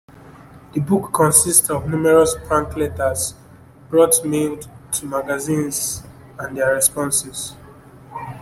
The book consists of numerous prank letters Broth mailed to magazines and their responses.